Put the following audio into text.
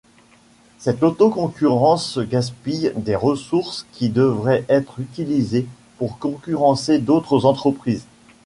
Cette auto-concurrence gaspille des ressources qui devraient être utilisées pour concurrencer d'autres entreprises.